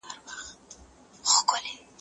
ستا روح به کله له خپل حاله راضي سي؟